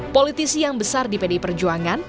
politisi yang besar di pdi perjuangan